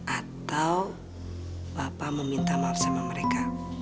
atau bapak mau minta maaf sama mereka